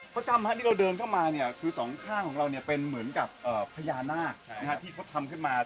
พระกรรมที่เราเดินเข้ามาคือสองข้างของเราเป็นเหมือนกับพญานาคที่พ่อทำขึ้นมา